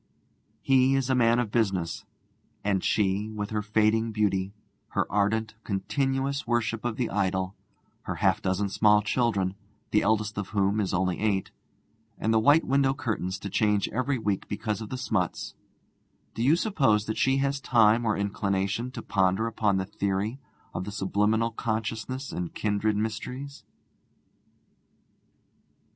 He is a man of business, and she, with her fading beauty, her ardent, continuous worship of the idol, her half dozen small children, the eldest of whom is only eight, and the white window curtains to change every week because of the smuts do you suppose she has time or inclination to ponder upon the theory of the subliminal consciousness and kindred mysteries?